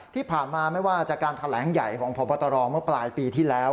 ที่ผ่านมาไม่ว่าจากการแถลงใหญ่ของพบตรเมื่อปลายปีที่แล้ว